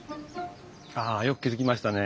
ああよく気付きましたね。